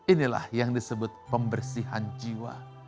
inilah yang disebut pembersihan jiwa